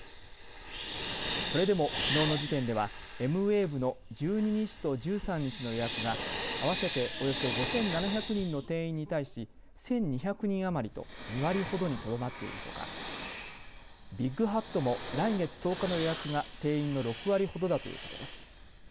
それでも、きのうの時点ではエムウェーブの１２日と１３日の予約が合わせておよそ５７００人の定員に対し１２００人余りと２割ほどにとどまっているほかビッグハットも来月１０日の予約が定員の６割ほどだということです。